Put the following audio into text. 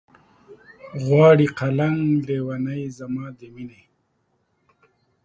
غواړي قلنګ لېونے زما د مينې